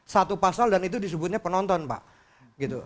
satu pasal dan itu disebutnya penonton pak